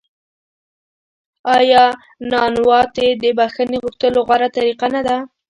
آیا نانواتې د بخښنې غوښتلو غوره طریقه نه ده؟